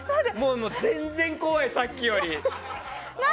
全然怖い、さっきより。